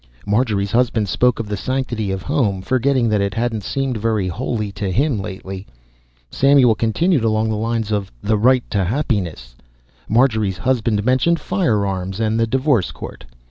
Marjorie's husband spoke of the sanctity of the home, forgetting that it hadn't seemed very holy to him lately; Samuel continued along the line of "the right to happiness"; Marjorie's husband mentioned firearms and the divorce court.